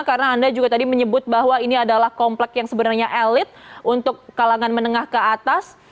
karena anda juga tadi menyebut bahwa ini adalah kompleks yang sebenarnya elit untuk kalangan menengah ke atas